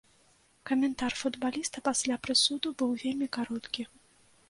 Каментар футбаліста пасля прысуду быў вельмі кароткі.